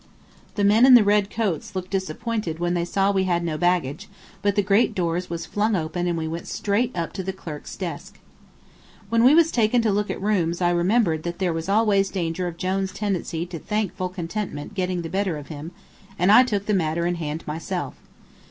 The men in the red coats looked disappointed when they saw we had no baggage, but the great doors was flung open and we went straight up to the clerk's desk. When we was taken to look at rooms I remembered that there was always danger of Jone's tendency to thankful contentment getting the better of him, and I took the matter in hand myself.